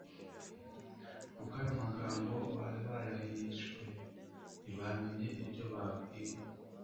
kuko ayo magambo bari bayahishwe, ntibamenya ibyo babwiwe.»